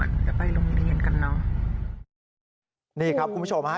นี่ครับคุณผู้ชมฮะ